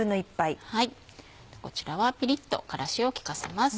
こちらはピリっと辛子を利かせます。